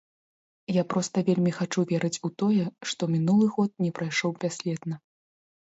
Я проста вельмі хачу верыць у тое, што мінулы год не прайшоў бясследна.